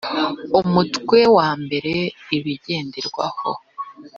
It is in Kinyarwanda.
umutwe wa mbere ibigenderwaho